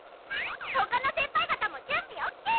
ほかの先輩方も準備オッケー！